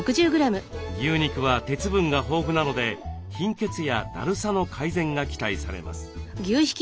牛肉は鉄分が豊富なので貧血やだるさの改善が期待されます。